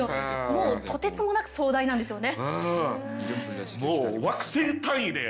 もうとてつもなく壮大なんですよね。